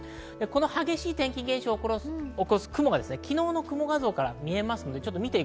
激しい天気現象を起こす雲が昨日の雲画像から見えます。